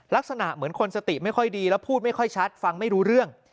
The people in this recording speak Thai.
ลักษณะเหมือนคนสติไม่ค่อยดีแล้วพูดไม่ค่อยชัดฟังไม่รู้เรื่อง